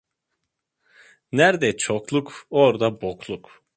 Nerde çokluk, orda bokluk.